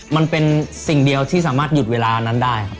มันเป็นสิ่งเดียวที่ขอได้หยุดเวลาได้ครับ